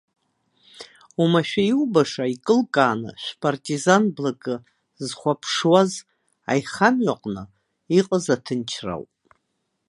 Омашәа иуабаша, икылкааны, шә-партизан блакы зхәаԥшуаз аихамҩаҟны иҟаз аҭынчра ауп.